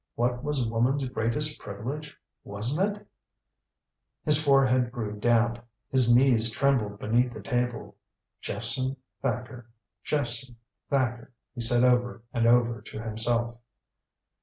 What was woman's greatest privilege? Wasn't it His forehead grew damp. His knees trembled beneath the table. "Jephson Thacker, Jephson Thacker," he said over and over to himself.